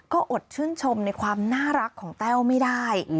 ก็อดชื่นชมในความน่ารักของแต้วไม่ได้